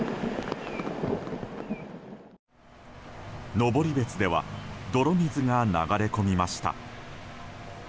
登別では泥水が流れ込みました。